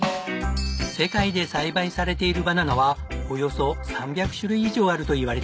世界で栽培されているバナナはおよそ３００種類以上あるといわれています。